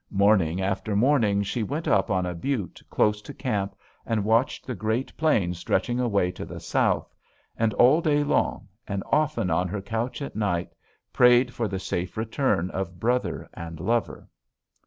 Morning after morning she went up on a butte close to camp and watched the great plain stretching away to the south, and all day long, and often on her couch at night, prayed for the safe return of brother and lover.